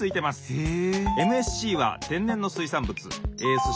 へえ！